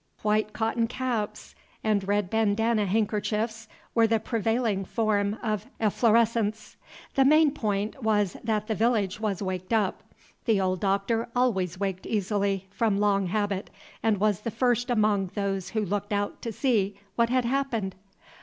White cotton caps and red bandanna handkerchiefs were the prevailing forms of efflorescence. The main point was that the village was waked up. The old Doctor always waked easily, from long habit, and was the first among those who looked out to see what had happened.